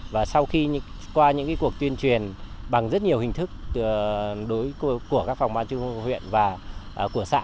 và sau khi qua những cuộc tuyên truyền bằng rất nhiều hình thức của các phòng ban chung của huyện và của xã